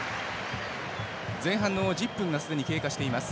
前半の１０分がすでに経過しています。